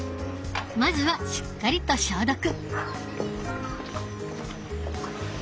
まずはしっかりと消毒。